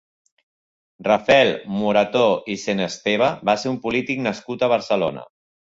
Rafael Morató i Senesteva va ser un polític nascut a Barcelona.